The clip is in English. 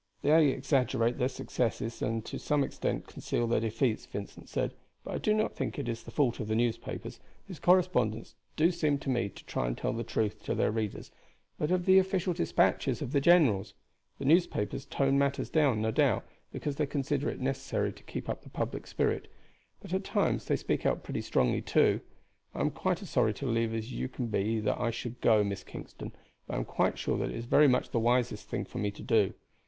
"They exaggerate their successes and to some extent conceal their defeats," Vincent said; "but I do not think it is the fault of the newspapers, whose correspondents do seem to me to try and tell the truth to their readers, but of the official despatches of the generals. The newspapers tone matters down, no doubt, because they consider it necessary to keep up the public spirit; but at times they speak out pretty strongly too. I am quite as sorry to leave as you can be that I should go, Miss Kingston, but I am quite sure that it is very much the wisest thing for me to do.